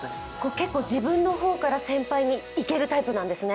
結構自分の方から先輩にいけるタイプなんですね。